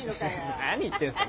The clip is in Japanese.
何言ってんすか。